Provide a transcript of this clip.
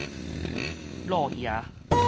躼爺